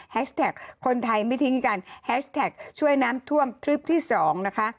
แท็กคนไทยไม่ทิ้งกันแฮชแท็กช่วยน้ำท่วมทริปที่สองนะคะ